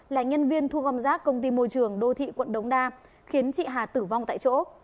là nhân viên thu gom rác công ty môi trường đô thị quận đống đa khiến chị hà tử vong tại chỗ